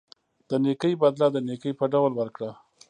د نیکۍ بدله د نیکۍ په ډول ورکړه.